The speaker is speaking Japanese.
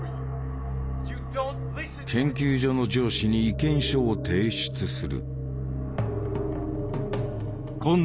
研究所の上司に意見書を提出する。